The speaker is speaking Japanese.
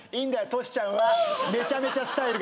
トシちゃんはめちゃめちゃスタイルがいいから。